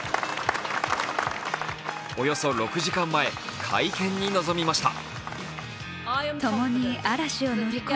およそ６時間前、会見に臨みました。